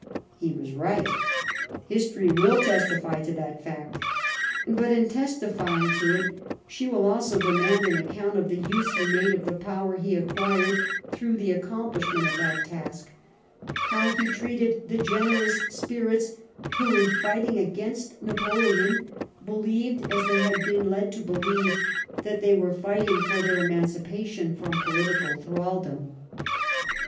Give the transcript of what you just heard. He was right. History will testify to that fact, but, in testifying to it, she will also demand an account of the use he made of the power he acquired through the accomplishment of that task ; how he treated the generous spirits, who, in fighting against Napoleon, believed, as they had been led to believe, that they were fighting for their emancipation from political thraldom.